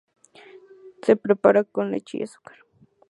Se prepara con leche y azúcar.